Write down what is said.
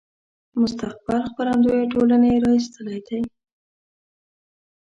مستقبل خپرندويه ټولنې را ایستلی دی.